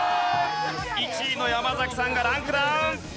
１位の山崎さんがランクダウン！